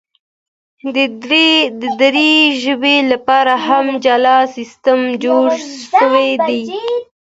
د دري ژبي لپاره هم جلا سیستم جوړ سوی دی.